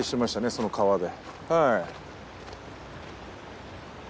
その川で。